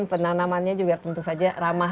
penanamannya juga tentu saja ramah